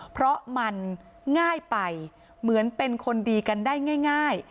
เพราะมันง่ายไปเหมือนเป็นคนดีกันได้ง่าย